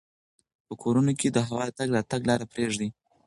په کورونو کې د هوا د تګ راتګ لاره پریږدئ.